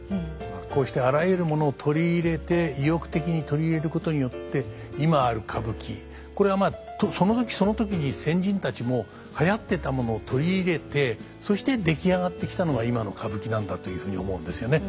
こうしてあらゆるものを取り入れて意欲的に取り入れることによって今ある歌舞伎これはその時その時に先人たちも流行ってたものを取り入れてそして出来上がってきたのが今の歌舞伎なんだというふうに思うんですよね。